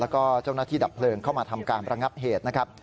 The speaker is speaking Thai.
แล้วก็เจ้าหน้าที่ดับเพลิงเข้ามาทำการประงับเหตุนะครับ